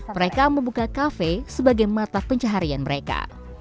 mereka membuka kafe sebagai mata pencaharian mereka